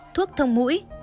thuốc thông mũi